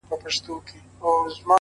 o د ورځي سور وي رسوایي پکښي,